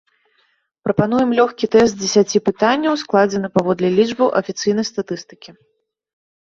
Прапануем лёгкі тэст з дзесяці пытанняў, складзены паводле лічбаў афіцыйнай статыстыкі.